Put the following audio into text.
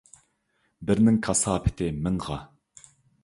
بىرنىڭ كاساپىتى مىڭغا.